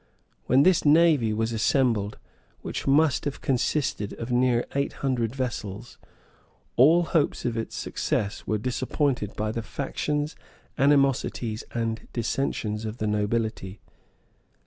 When this navy was assembled, which must have consisted of near eight hundred vessels,[*] all hopes of its success were disappointed by the factions, animosities, and dissensions of the nobility.